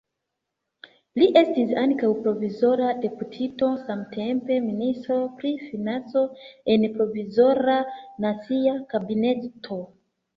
Li estis ankaŭ provizora deputito, samtempe ministro pri financo en Provizora Nacia Kabineto.